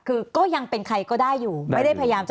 คือก็ยังเป็นใครก็ได้อยู่ไม่ได้พยายามจะ